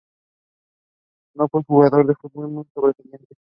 No fue un jugador de fútbol muy sobresaliente.